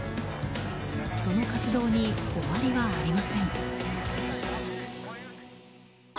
その活動に終わりはありません。